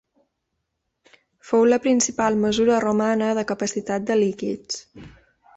Fou la principal mesura romana de capacitat de líquids.